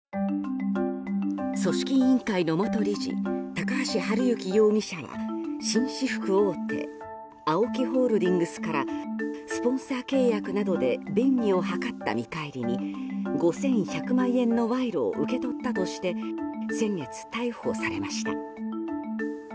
組織委員会の元理事高橋治之容疑者が紳士服大手ＡＯＫＩホールディングスからスポンサー契約などで便宜を図った見返りに５１００万円の賄賂を受け取ったとして先月、逮捕されました。